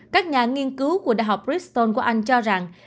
các nhà nghiên cứu của đại học briston của anh cho rằng